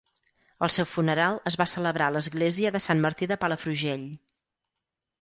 El seu funeral es va celebrar a l'església de Sant Martí de Palafrugell.